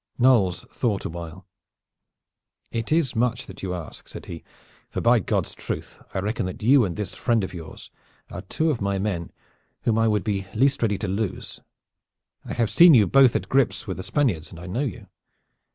Knolles thought awhile. "It is much that you ask," said he, "for by God's truth I reckon that you and this friend of yours are two of my men whom I would be least ready to lose. I have seen you both at grips with the Spaniards and I know you.